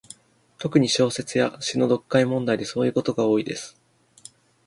特に、小説や詩の読解問題でそういうことが多いです。